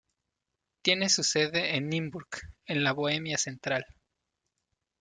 Tiene su sede en Nymburk, en la Bohemia Central.